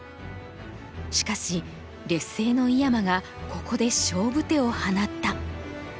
しかし劣勢の井山がここで勝負手を放った。